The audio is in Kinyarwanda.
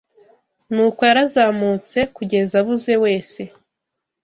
nuko yarazamutse kugeza abuze wese